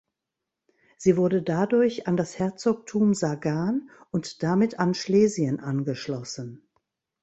Sie wurde dadurch an das Herzogtum Sagan und damit an Schlesien angeschlossen.